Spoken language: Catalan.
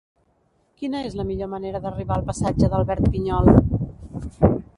Quina és la millor manera d'arribar al passatge d'Albert Pinyol?